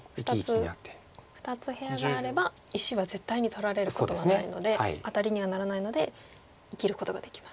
２つ部屋があれば石は絶対に取られることはないのでアタリにはならないので生きることができます。